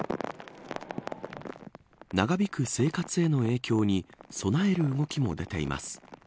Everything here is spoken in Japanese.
長引く生活への影響に備える動きも出ています。